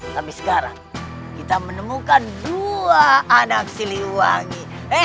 tapi sekarang kita menemukan dua anak siliwangi